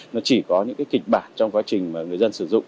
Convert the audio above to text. nó chỉ có những cái kịch bản trong quá trình mà người dân sử dụng